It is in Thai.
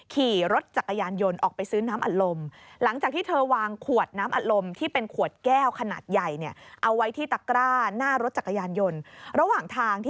ขี่รถจักรยานยนต์ออกไปซื้อน้ำอารมณ์